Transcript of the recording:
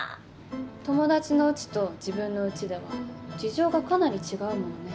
友達のうちと自分のうちでは事情がかなり違うものね。